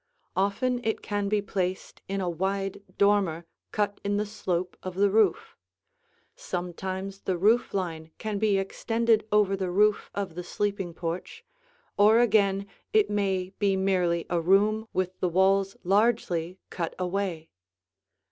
Often it can be placed in a wide dormer cut in the slope of the roof; sometimes the roof line can be extended over the roof of the sleeping porch, or again it may be merely a room with the walls largely cut away.